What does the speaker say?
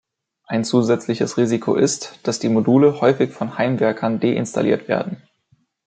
Ein zusätzliches Risiko ist, dass die Module häufig von Heimwerkern deinstalliert werden.